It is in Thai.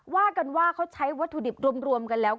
ว่ากันว่าเขาใช้วัตถุดิบรวมกันแล้ว